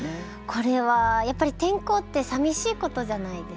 これはやっぱり転校ってさみしいことじゃないですか。